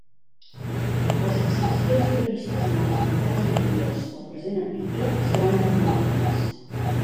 Les exempcions previstes en els apartats anteriors del present article seran acumulables.